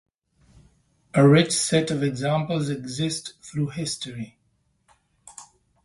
A rich set of examples exist through history.